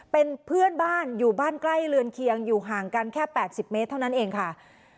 เป็นเพื่อนบ้านอยู่บ้านใกล้เรือนเคียงอยู่ห่างกันแค่๘๐เมตรเท่านั้นเองค่ะ